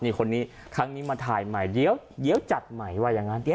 นี่คนนี้ครั้งนี้มาถ่ายใหม่เดี๋ยวจัดใหม่ว่าอย่างนั้น